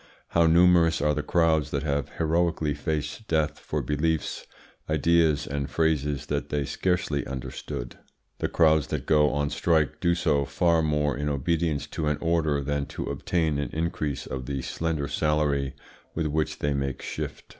How numerous are the crowds that have heroically faced death for beliefs, ideas, and phrases that they scarcely understood! The crowds that go on strike do so far more in obedience to an order than to obtain an increase of the slender salary with which they make shift.